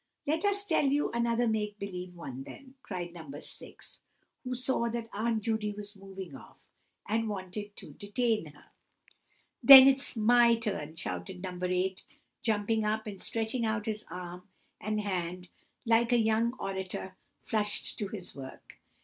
"Let us tell you another make believe one, then," cried No. 6, who saw that Aunt Judy was moving off, and wanted to detain her. "Then it's my turn!" shouted No. 8, jumping up, and stretching out his arm and hand like a young orator flushed to his work.